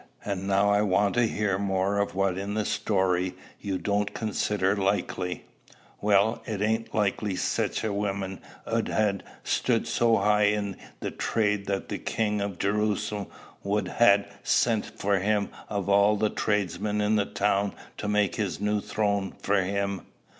And now I want to hear more of what in the story you don't consider likely." "Well, it ain't likely sich a workman 'ud ha' stood so high i' the trade that the king of Jerusalem would ha' sent for him of all the tradesmen in the town to make his new throne for him.